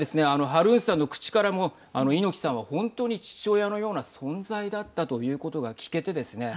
ハルーンさんの口からも猪木さんは本当に父親のような存在だったということが聞けてですね